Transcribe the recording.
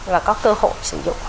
và có cơ hội sử dụng